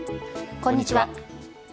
こんにちは。